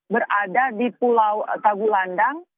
berada di pulau sagulandang